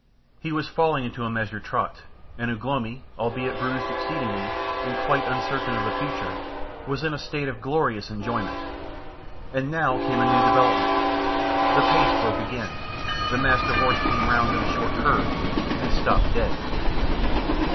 He was falling into a measured trot, and Ugh lomi, albeit bruised exceedingly and quite uncertain of the future, was in a state of glorious enjoyment. And now came a new development. The pace broke again, the Master Horse came round on a short curve, and stopped dead....